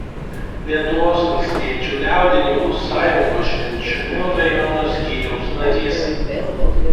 Lietuvos valstiečių liaudininkų sąjungos Švenčionių rajono skyriaus narys.